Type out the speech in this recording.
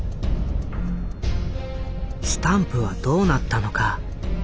スタンプはどうなったのか？